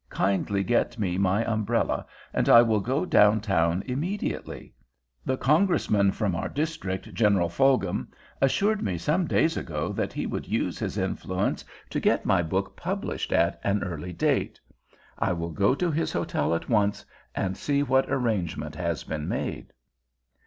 "Kindly get me my umbrella and I will go downtown immediately. The congressman from our district, General Fulghum, assured me some days ago that he would use his influence to get my book published at an early date. I will go to his hotel at once and see what arrangement has been made."